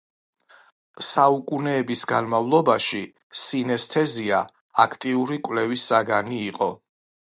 საუკუნეების განმავლობაში სინესთეზია აქტიური კვლევის საგანი იყო.